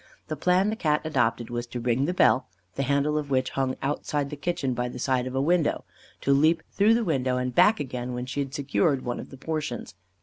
The plan the Cat adopted was to ring the bell, the handle of which hung outside the kitchen by the side of a window, to leap through the window, and back again when she had secured one of the portions.